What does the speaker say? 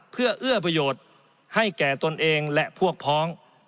เพื่อเอื้อประโยชน์ให้แก่ตนเองและพวกพ้อง